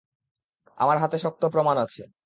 আমার হাতে শক্ত প্রমাণ আছে।